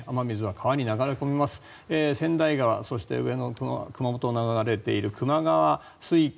川内川、そして上の熊本を流れている球磨川水系